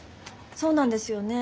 そうなんですよね。